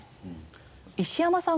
石山さん